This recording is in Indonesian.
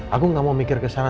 aku gak mau mikir kesana